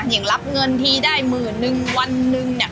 อย่างรับเงินทีได้หมื่นนึงวันหนึ่งเนี่ย